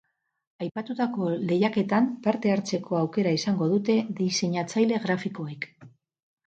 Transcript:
Aipatutako lehiaketan parte hartzeko aukera izango dute diseinatzaile grafikoek.